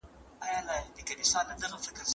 سازمانونه به انفرادي حقونه خوندي کړي.